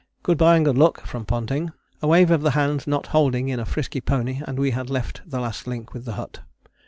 "Good bye and good luck," from Ponting, a wave of the hand not holding in a frisky pony and we had left the last link with the hut.